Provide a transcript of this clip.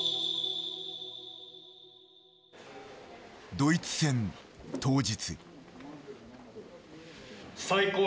ドイツ戦当日。